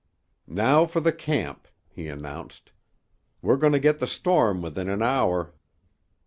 "Now for the camp," he announced. "We're going to get the storm within an hour."